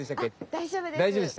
大丈夫です。